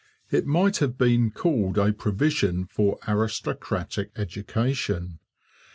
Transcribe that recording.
It might have been called a provision for aristocratic education.